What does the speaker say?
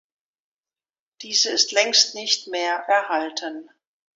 Diese ist längst nicht mehr erhalten.